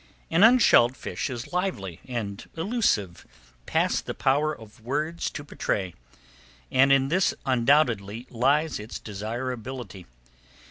An unshelled fish is lively and elusive past the power of words to portray, and in this, undoubtedly, lies its desirability.